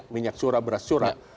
minyak curah beras curah